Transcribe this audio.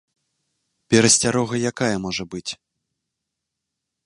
Перасцярога якая можа быць?